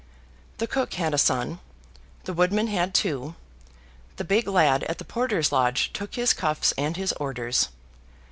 The cook had a son, the woodman had two, the big lad at the porter's lodge took his cuffs and his orders.